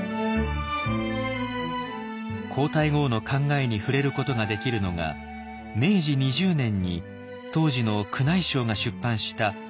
皇太后の考えに触れることができるのが明治２０年に当時の宮内省が出版した「婦女鑑」の序文です。